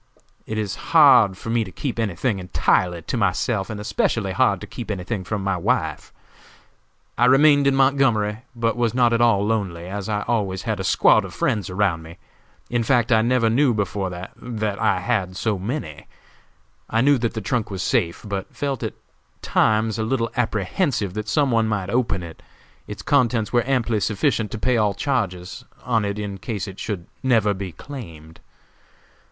It is hard for me to keep any thing entirely to myself, and especially hard to keep any thing from my wife. "I remained in Montgomery, but was not at all lonely, as I always had a squad of friends around me. In fact I never knew before that I had so many. I knew that the trunk was safe, but felt at times a little apprehensive that some one might open it. Its contents were amply sufficient to pay all charges on it in case it should never be claimed.